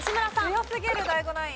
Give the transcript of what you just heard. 強すぎるＤＡＩＧＯナイン。